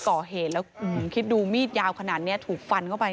ก่อเหตุแล้วคิดดูมีดยาวขนาดนี้ถูกฟันเข้าไป